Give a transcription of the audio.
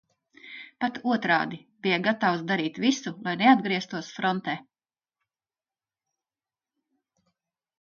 Pat otrādi, bija gatavs darīt visu, lai neatgrieztos frontē.